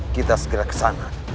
kita segera ke sana